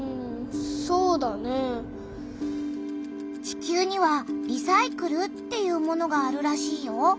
地球には「リサイクル」っていうものがあるらしいよ。